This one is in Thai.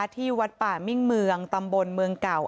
ที่วัดป่ามิ่งเมืองตำบลเมืองเก่า